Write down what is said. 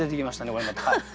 これまた。